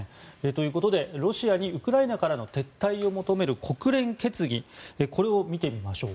ということでロシアにウクライナからの撤退を求める国連決議を見てみましょう。